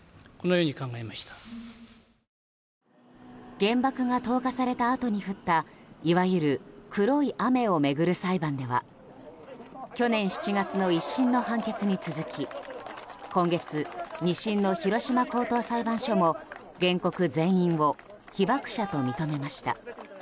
原爆が投下されたあとに降ったいわゆる黒い雨を巡る裁判では去年７月の１審の判決に続き今月、２審の広島高等裁判所も原告全員を被爆者と認めました。